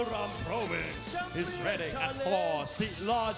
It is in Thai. และเขาส่าหัวบนพอแซนมือ